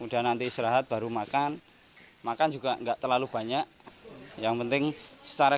udah nanti istirahat baru makan makan juga enggak terlalu banyak yang penting secara